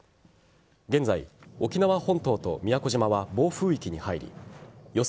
現在、沖縄本島と宮古島は暴風域に入り予想